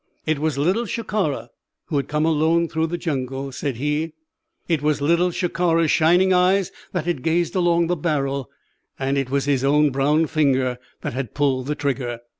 It was Little Shikara who had come alone through the jungle, said he; it was Little Shikara's shining eyes that had gazed along the barrel, and it was his own brown finger that had pulled the trigger.